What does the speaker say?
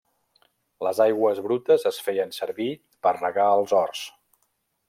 Les aigües brutes es feien servir per regar els horts.